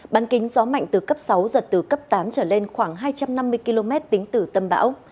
ban kính gió mạnh từ cấp sáu giật từ cấp tám trở lên khoảng hai trăm năm mươi km tính từ tâm bão